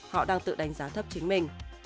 họ đang tự đánh giá thấp chính mình